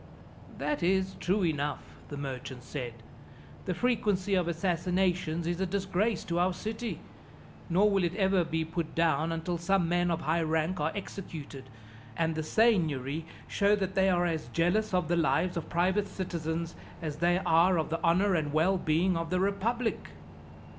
"That is true enough," the merchant said. "The frequency of assassinations is a disgrace to our city; nor will it ever be put down until some men of high rank are executed, and the seignory show that they are as jealous of the lives of private citizens, as they are of the honour and well being of the republic."